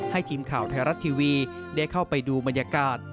ทีมข่าวไทยรัฐทีวีได้เข้าไปดูบรรยากาศ